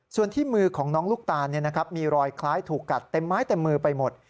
ส่วนที่มือของน้องลูกตาลมีรอยคล้ายถูกกัดเต็มไม้เต็มมือไปหมด